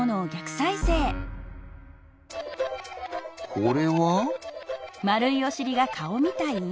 これは？